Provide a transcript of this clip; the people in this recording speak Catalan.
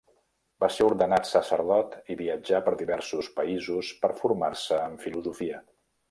Va ser ordenat sacerdot i viatjà per diversos països per formar-se en filosofia.